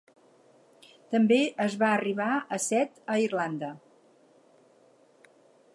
També es va arribar a set a Irlanda.